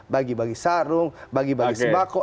bagi bagi sarung bagi bagi sembako